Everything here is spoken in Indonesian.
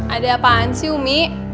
ada apaan sih umi